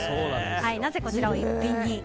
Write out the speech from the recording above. なぜこちらを逸品に？